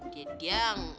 dia dia mau